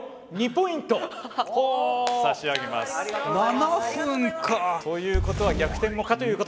７分か。ということは逆転も可ということです！